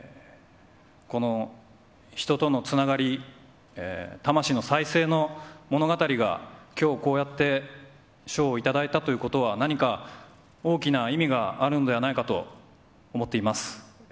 この人とのつながり、魂の再生の物語が、きょうこうやって賞を頂いたということは、何か大きな意味があるのではないかと思っています。